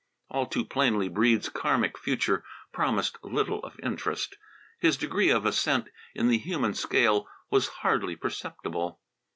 All too plainly Breede's Karmic future promised little of interest. His degree of ascent in the human scale was hardly perceptible.